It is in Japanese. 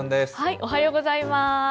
おはようございます。